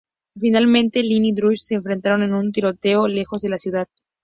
Finalmente Lin y Dutch se enfrentan en un tiroteo lejos de la ciudad.